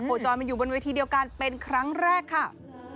จรมาอยู่บนเวทีเดียวกันเป็นครั้งแรกค่ะ